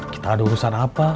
kita ada urusan apa